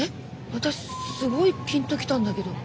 私すごいピンと来たんだけど。